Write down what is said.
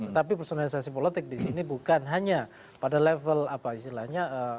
tetapi personalisasi politik di sini bukan hanya pada level apa istilahnya